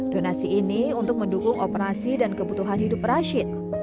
donasi ini untuk mendukung operasi dan kebutuhan hidup rashid